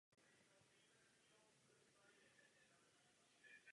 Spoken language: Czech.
Příčina smrti nebyla oznámena.